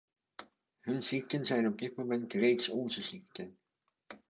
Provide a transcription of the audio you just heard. Hun ziekten zijn op dit moment reeds onze ziekten.